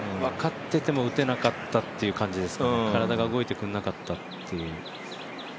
分かってても打てなかったという感じですね、体が動いてくれなかったという。